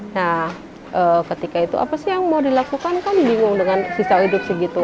nah ketika itu apa sih yang mau dilakukan kan bingung dengan sisa hidup segitu